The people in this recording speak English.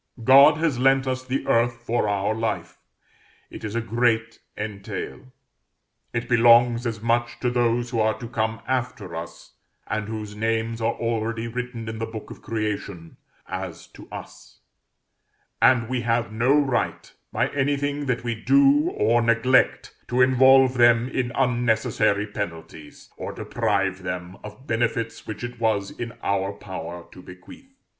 God has lent us the earth for our life; it is a great entail. It belongs as much to those who are to come after us, and whose names are already written in the book of creation, as to us; and we have no right, by anything that we do or neglect, to involve them in unnecessary penalties, or deprive them of benefits which it was in our power to bequeath.